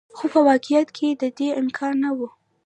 خو په واقعیت کې د دې امکان نه و.